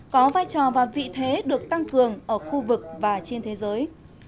có vai trò và vị thế được tăng cường ở khu vực và trên thế giới